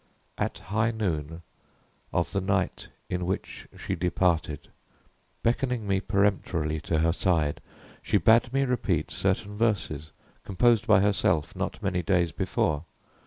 At high noon of the night in which she departed, beckoning me, peremptorily, to her side, she bade me repeat certain verses composed by herself not many days before.